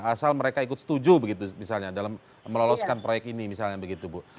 asal mereka ikut setuju begitu misalnya dalam meloloskan proyek ini misalnya begitu bu